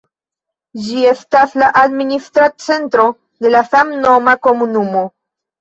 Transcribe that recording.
Ĝi estas la administra centro de la samnoma komunumo.